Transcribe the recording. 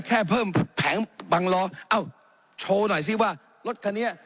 เพิ่มแผงบังล้อเอ้าโชว์หน่อยสิว่ารถคันนี้